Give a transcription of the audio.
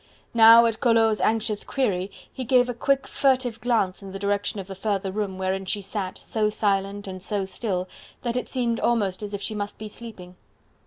Now at Collot's anxious query he gave a quick furtive glance in the direction of the further room wherein she sat, so silent and so still, that it seemed almost as if she must be sleeping.